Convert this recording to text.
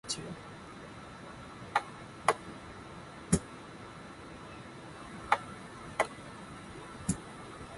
Major refers to something that is significant, important, or of great magnitude.